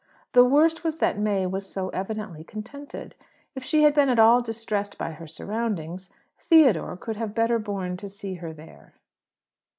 The worst was that May was so evidently contented! If she had been at all distressed by her surroundings, Theodore could have better borne to see her there.